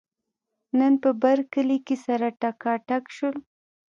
نن په برکلي کې سره ټکاټک شول.